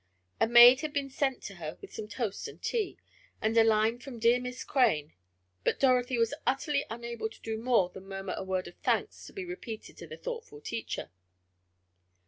A maid had been sent to her with some toast and tea, and a line from dear Miss Crane, but Dorothy was utterly unable to do more than murmur a word of thanks to be repeated to the thoughtful teacher.